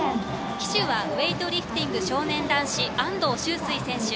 旗手はウエイトリフティング少年男子安藤周粋選手。